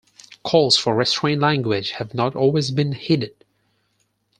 Calls for restrained language have not always been heeded.